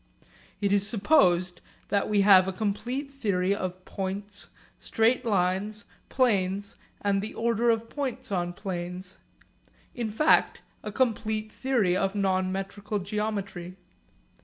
It is supposed that we have a complete theory of points, straight lines, planes, and the order of points on planes in fact, a complete theory of non metrical geometry.